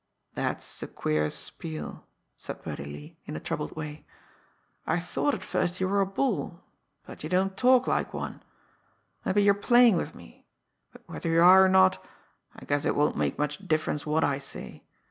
"That's a queer spiel," said Birdie Lee, in a troubled way. "I thought at first you were a bull but you don't talk like one. Mabbe you're playin' with me; but, whether you are or not, I guess it won't make much difference what I say.